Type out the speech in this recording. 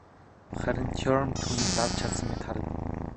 Харин Теорем түүнийг давж чадсан мэт харагдана.